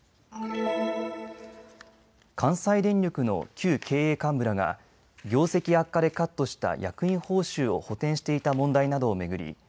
関西電力の旧経営幹部らが業績悪化でカットした役員報酬を補填していた問題などを巡り